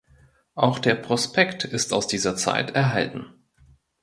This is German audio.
Auch der Prospekt ist aus dieser Zeit erhalten.